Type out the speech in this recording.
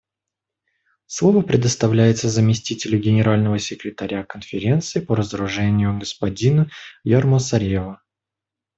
Слово предоставляется заместителю Генерального секретаря Конференции по разоружению господину Ярмо Сарева.